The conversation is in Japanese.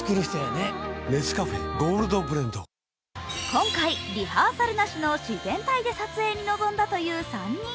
今回リハーサルなしの自然体で撮影に臨んだという３人。